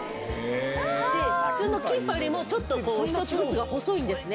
普通のキンパよりもちょっと１つが細いんですね。